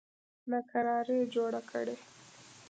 ناکراري جوړه کړي.